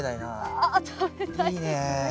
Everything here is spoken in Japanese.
あ食べたいですね。